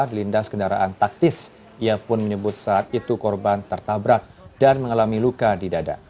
dilindas kendaraan taktis ia pun menyebut saat itu korban tertabrak dan mengalami luka di dada